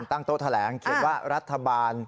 โต๊ะแถลงเขียนว่ารัฐบาล